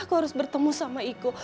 aku harus bertemu sama iku